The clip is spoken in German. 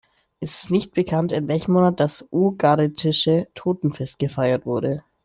Es ist nicht bekannt, in welchem Monat das ugaritische Totenfest gefeiert wurde.